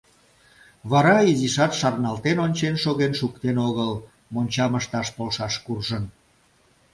Вара изишат шарналтен ончен шоген шуктен огыл, мончам ышташ полшаш куржын.